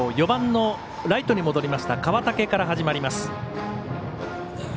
４番のライトに戻りました川竹から始まります。